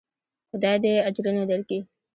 خداى دې اجرونه درکي.